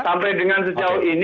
sampai dengan sejauh ini